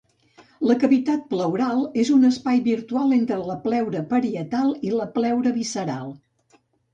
La cavitat pleural és un espai virtual entre la pleura parietal i la pleura visceral.